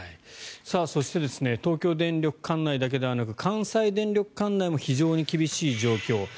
そして東京電力管内だけではなく関西電力管内も非常に厳しい状況。